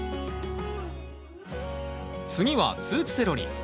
次はスープセロリ。